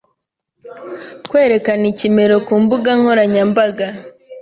kwerekana ikimero ku mbuga nkoranyambaga,